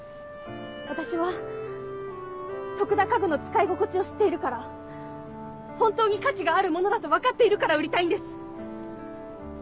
私は徳田家具の使い心地を知っているから本当に価値があるものだと分かっているから売りたいんです。